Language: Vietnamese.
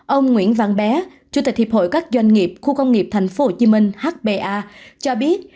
ông nguyễn văn bé chủ tịch hiệp hội các doanh nghiệp khu công nghiệp tp hcm hba cho biết